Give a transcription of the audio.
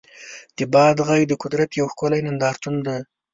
د باد غږ د قدرت یو ښکلی نندارتون دی.